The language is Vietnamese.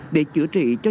để chữa trị bệnh nhân